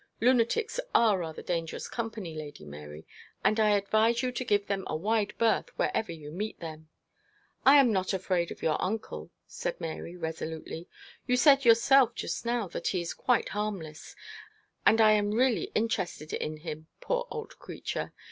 Lunatics are rather dangerous company, Lady Mary, and I advise you to give them a wide berth wherever you may meet them.' 'I am not afraid of your uncle,' said Mary, resolutely. 'You said yourself just now that he is quite harmless: and I am really interested in him, poor old creature.